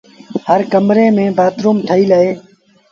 هر ڪمري ميݩ بآٿروم ٺهيٚل اهي۔